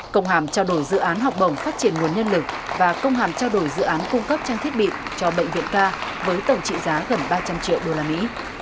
công hàm trao đổi dự án học bổng phát triển nguồn nhân lực và công hàm trao đổi dự án cung cấp trang thiết bị cho bệnh viện ca với tổng trị giá gần ba trăm linh triệu đô la mỹ